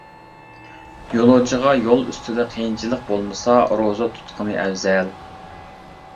يولۇچىغا يول ئۈستىدە قىيىنچىلىق بولمىسا روزا تۇتقىنى ئەۋزەل.